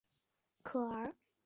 御嵩町为岐阜县可儿郡的町。